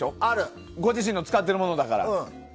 ご自身が使ってるものだから。